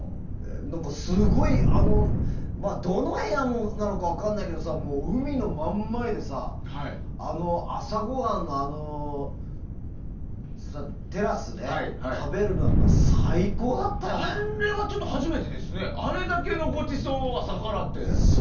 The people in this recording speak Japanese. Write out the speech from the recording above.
すごいどの部屋もなのか分からないけどさ海の真ん前であの朝ごはんテラスで食べるのなんかあれだけのごちそうを朝からって。